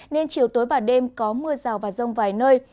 nên chiều tối và đêm có mưa rào và rông vài nơi